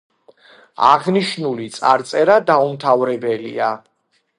აღნიშნული წარწერა დაუმთავრებელია.